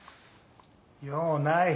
ようない。